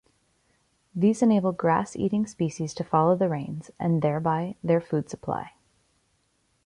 These enable grass-eating species to follow the rains and thereby their food supply.